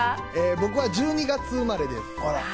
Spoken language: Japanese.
僕は１２月生まれです。